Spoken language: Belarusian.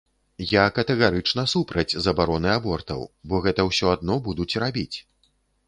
Я катэгарычна супраць забароны абортаў, бо гэта ўсё адно будуць рабіць.